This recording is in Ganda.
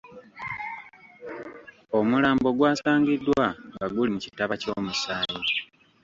Omulambo gwasangiddwa nga guli mu kitaba ky’omusaayi.